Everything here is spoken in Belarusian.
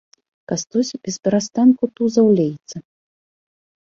Кастусь бесперастанку тузаў лейцы.